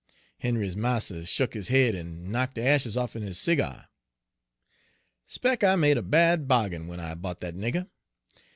"Henry's marster shuck his head en knock de ashes off'n his seegyar. " 'Spec' I made a bad bahgin when I bought dat nigger.